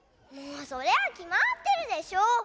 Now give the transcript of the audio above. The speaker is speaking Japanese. そりゃあきまってるでしょ。